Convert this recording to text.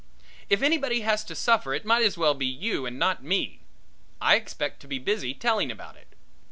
If anybody has to suffer it might as well be you and not me; I expect to be busy telling about it.